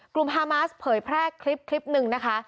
กลุ่มฮามาสเผยแพร่คลิปหนึ่งนะคะ